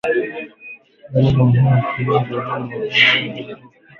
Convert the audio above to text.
Dalili muhimu za ugonjwa wa homa ya bonde la ufa